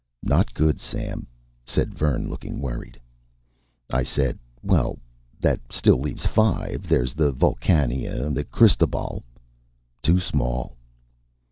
"Not good, Sam," said Vern, looking worried. I said: "Well, that still leaves five. There's the Vulcania, the Cristobal " "Too small."